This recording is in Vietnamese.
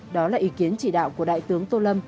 đó là ý kiến chỉ đạo của đại tướng tô lâm